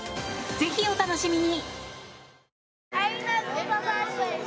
ぜひ、お楽しみに！